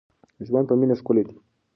ژوند په مینه ښکلی دی.